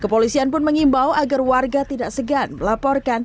kepolisian pun mengimbau agar warga tidak segan melaporkan